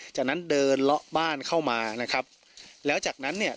จากนั้นเดินเลาะบ้านเข้ามานะครับแล้วจากนั้นเนี่ย